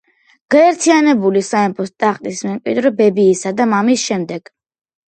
გაერთიანებული სამეფოს ტახტის მემკვიდრე ბებიისა და მამის შემდეგ.